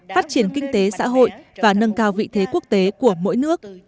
phát triển kinh tế xã hội và nâng cao vị thế quốc tế của mỗi nước